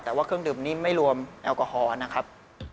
แต่ว่าเครื่องดื่มนี้ไม่รวมแอลกอฮอล์นะครับ